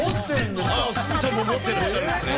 鷲見さんも持っていらっしゃるんですね。